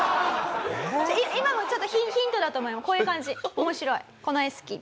今のもちょっとヒントだと思います。